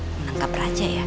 menangkap raja ya